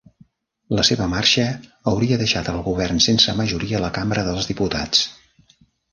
La seva marxa hauria deixat el govern sense majoria a la Cambra dels Diputats.